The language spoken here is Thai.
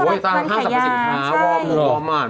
ไม่ตามนานขายยาใช่หรอโอ้โฮห้ามสัมผสมค้าวอมนุมวอมหวาน